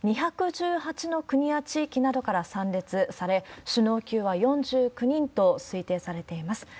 ２１８の国や地域などから参列され、首脳級は４９人と推定されています。